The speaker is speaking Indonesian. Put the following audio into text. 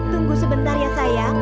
tunggu sebentar ya sayang